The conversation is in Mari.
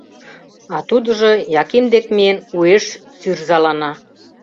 А тудыжо, Яким дек миен, уэш сӱрзалана.